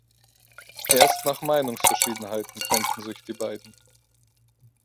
Erst nach Meinungsverschiedenheiten trennten sich die beiden.